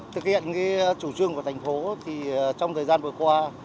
thực hiện chủ trương của thành phố thì trong thời gian vừa qua